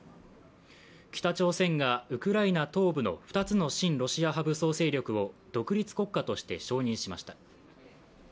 北朝鮮がウクライナ東部の２つの親ロシア派武装勢力を独立国家として承認しました。